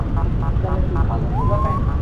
শুধুমাত্র তুমিই এই প্রমোশনে হতবাক হয়েছে।